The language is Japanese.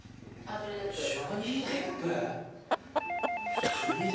ジョニー・デップですよ。